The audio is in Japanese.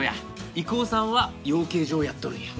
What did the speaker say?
郁夫さんは養鶏場をやっとるんや。